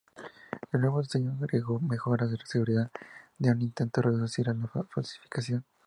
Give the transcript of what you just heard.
El nuevo diseño agregó mejoras de seguridad en un intento de reducir la falsificación.